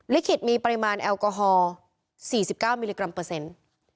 ลิขิตมีปริมาณแอลกอฮอล์๔๙มิลลิกรัมเปอร์เซ็นต์